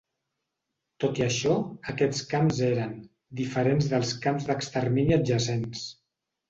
Tot i això, aquests camps eren "diferents dels camps d'extermini adjacents".